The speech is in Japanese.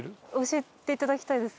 教えていただきたいです。